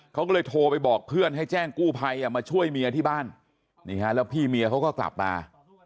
เขาก็เลยโทรไปบอกเพื่อนให้แจ้งกู้ภัยมาช่วยเมียที่บ้านนี่ฮะแล้วพี่เมียเขาก็กลับมา